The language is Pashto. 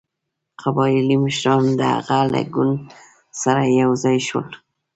قبایلي مشران د هغه له ګوند سره یو ځای شول.